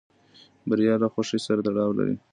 بریا له خوښۍ سره تړاو لري.